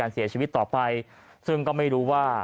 เสียชีวิตต่อไปซึ่งก็ไม่รู้ว่า